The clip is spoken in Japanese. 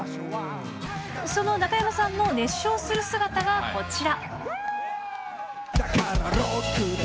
その中山さんの熱唱する姿がこちら。